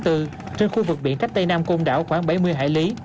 trên khu vực biển cách tây nam côn đảo khoảng bảy mươi hải lý